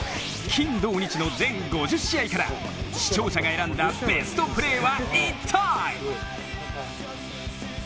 金土日の全５０試合から、視聴者が選んだベストプレーは一体？